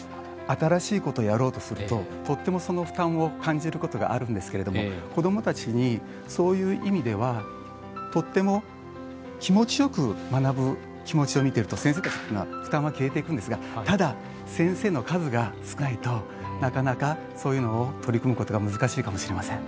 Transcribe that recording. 新しいことをやろうとするととってもその負担を感じることがあるんですけれども子どもたちにそういう意味ではとっても気持ちよく学ぶ気持ちを見てると先生たちっていうのは負担は消えていくんですがただ先生の数が少ないとなかなかそういうのを取り組むことが難しいかもしれません。